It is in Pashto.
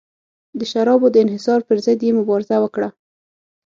د شرابو د انحصار پرضد یې مبارزه وکړه.